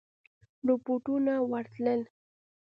رپوټونه ورتلل.